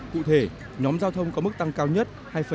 cụ thể nhóm giao thông có mức tăng cao nhất hai sáu mươi bốn